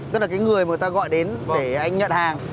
rất là cái người mà người ta gọi đến để anh nhận hàng